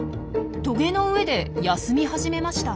トゲの上で休み始めました。